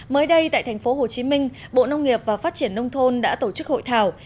mới đây tại thành phố hồ chí minh bộ nông nghiệp và phát triển nông thôn đã tổ chức hội thảo